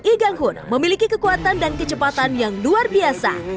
igang hun memiliki kekuatan dan kecepatan yang luar biasa